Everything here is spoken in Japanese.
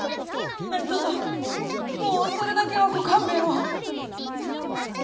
何とぞもうそれだけはご勘弁を！